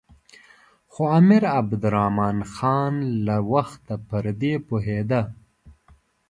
خو امیر عبدالرحمن خان له وخته پر دې پوهېده.